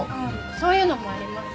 そういうのもあります。